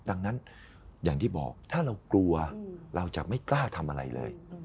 ดังนั้นอย่างที่บอกถ้าเรากลัวเราจะไม่กล้าทำอะไรเลย